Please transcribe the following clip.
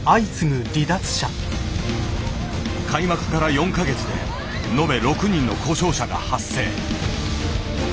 開幕から４か月で延べ６人の故障者が発生。